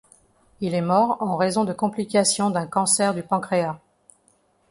Il est mort en raison de complications d'un cancer du pancréas.